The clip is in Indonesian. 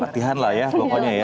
latihan lah ya pokoknya ya